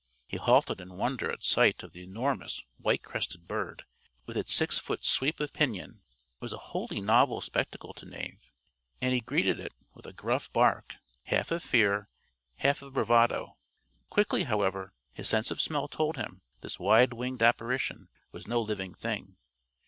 He halted in wonder at sight of the enormous white crested bird with its six foot sweep of pinion. It was a wholly novel spectacle to Knave; and he greeted it with a gruff bark, half of fear, half of bravado. Quickly, however, his sense of smell told him this wide winged apparition was no living thing.